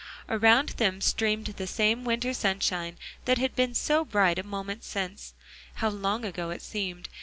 Around them streamed the same winter sunshine that had been so bright a moment since. How long ago it seemed.